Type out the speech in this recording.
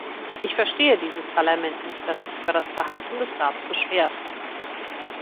Ich verstehe dieses Parlament nicht, das sich über das Verhalten des Rates beschwert.